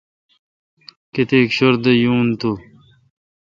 کیتیک شردے یون تو۔